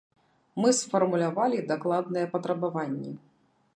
Мы сфармулявалі дакладныя патрабаванні.